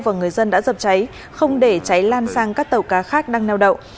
và người dân đã dập cháy không để cháy lan sang các tàu cá khác đang neo đậu